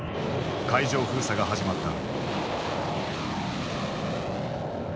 海上封鎖が始まった。